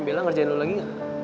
bilang ngerjain lu lagi